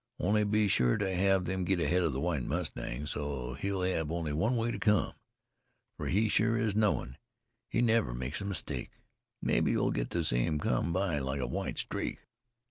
Only be sure to hev them get ahead of the White Mustang, so he'll hev only one way to cum, fer he sure is knowin'. He never makes a mistake. Mebbe you'll get to see him cum by like a white streak.